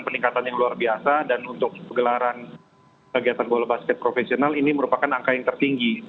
peningkatan yang luar biasa dan untuk gelaran kegiatan bola basket profesional ini merupakan angka yang tertinggi